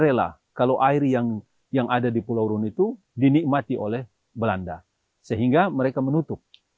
rela kalau air yang yang ada di pulau rune itu dinikmati oleh belanda sehingga mereka menutup